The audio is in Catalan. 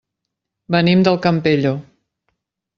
Venim del Campello.